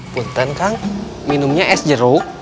punten kang minumnya es jeruk